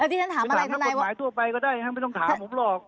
ได้ถามถ้ากฎหมายทั่วไปเขาได้ห้างไม่ต้องถามว่าผมหลอก